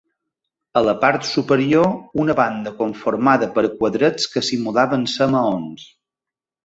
A la part superior una banda conformada per quadrets que simulaven ser maons.